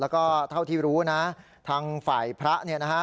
แล้วก็เท่าที่รู้นะทางฝ่ายพระเนี่ยนะฮะ